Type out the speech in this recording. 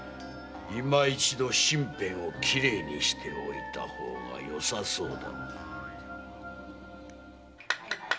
いま一度身辺を綺麗にしておいた方がよさそうだな。